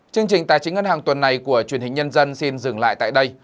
chương trình tài chính ngân hàng tuần này của truyền hình nhân dân xin dừng lại tại đây